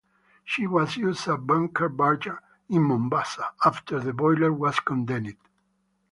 She was used as a bunker barge in Mombasa after the boiler was condemned.